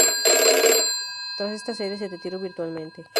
Tras esta serie se retiró virtualmente.